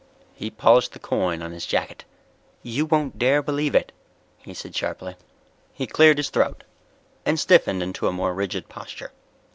He polished the coin on his jacket. "You won't dare believe it," he said sharply. He cleared his throat and stiffened into a more rigid posture.